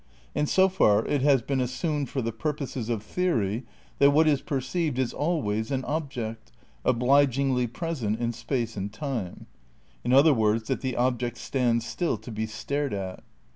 And, so far, it has been assumed for the purposes head of theory that what is perceived is always an object, ^^^^ obligingly present in space and time ; in other words of that the object stands still to be stared at.